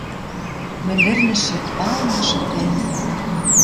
Мӹндӹрнӹшӹ, палнышы тӓнгем!